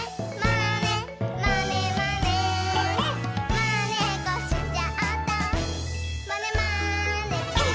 「まねっこしちゃったまねまねぽん！」